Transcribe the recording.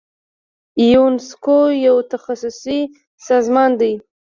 یونسکو یو تخصصي سازمان دی.